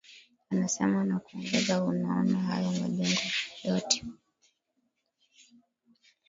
anasema na kuongeza Unaona hayo majengo yote